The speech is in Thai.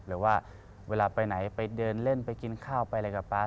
เวลาไปไหนไปเดินเล่นไปกินข้าวไปอะไรกับป๊า